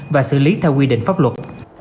và xử lý theo quy định pháp luật